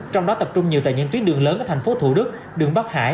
trong đó tập trung nhiều tại những tuyến đường lớn ở thành phố thủ đức đường bắc hải